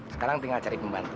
sekarang tinggal cari pembantu